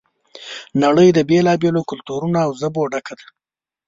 نړۍ د بېلا بېلو کلتورونو او ژبو ډکه ده.